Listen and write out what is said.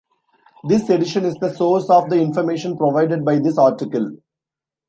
This edition is the source of the information provided by this article.